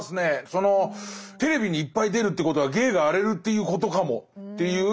そのテレビにいっぱい出るということは芸が荒れるっていうことかもって言う師匠とかもいますから。